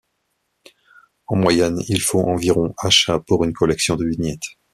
En moyenne, il faut environ achats pour une collection de vignettes.